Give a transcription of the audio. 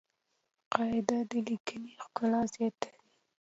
قاعده د لیکني ښکلا زیاتوي.